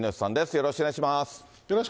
よろしくお願いします。